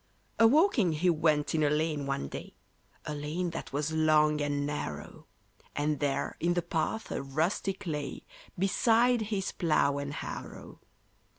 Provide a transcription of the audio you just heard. A walking he went in a lane one day,— A lane that was long and narrow; And there in the path a rustic lay, Beside his plough and harrow.